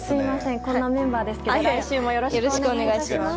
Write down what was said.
こんなメンバーですけど来週もよろしくお願いいたします。